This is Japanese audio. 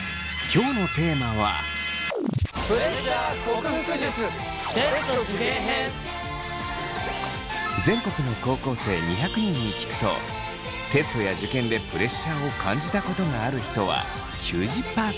今日のテーマは全国の高校生２００人に聞くとテストや受験でプレッシャーを感じたことがある人は９０％。